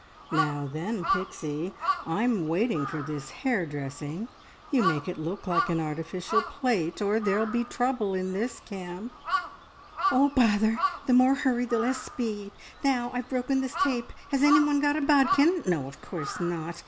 "Now then, Pixie. I'm waiting for this hair dressing! You make it look like an artificial plait, or there'll be trouble in this camp." "Oh h, bother! The more hurry the less speed. Now I've broken this tape. Has anyone got a bodkin? No, of course not!